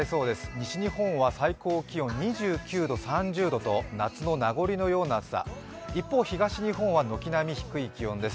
西日本は最高気温、２９度、３０度と夏の名残のような暑さ、一方、東日本は軒並み低い気温です。